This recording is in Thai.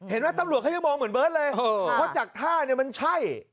ตำรวจเขายังมองเหมือนเบิร์ตเลยว่าจากท่าเนี่ยมันใช่